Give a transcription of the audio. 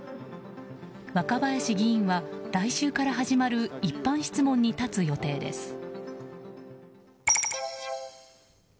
若林議員は、来週から始まる一般質問に立つ予定です。